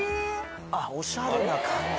あっおしゃれな感じ。